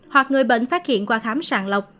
hoặc người bệnh phát hiện qua khám sàng lọc